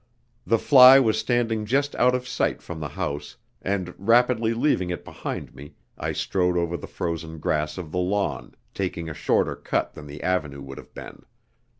The fly was standing just out of sight from the house, and rapidly leaving it behind me I strode over the frozen grass of the lawn, taking a shorter cut than the avenue would have been.